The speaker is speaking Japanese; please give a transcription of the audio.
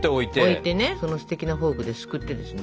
置いてねそのステキなフォークですくってですね。